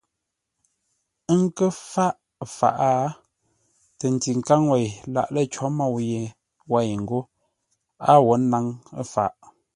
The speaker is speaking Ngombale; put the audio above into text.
Ə́ nkə́ fâʼ faʼá tə ntikáŋ wêi lâʼ lə̂ cǒ môu ye wêi ńgó a wó ńnáŋ tâm.